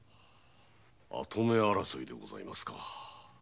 跡目争いでございますか。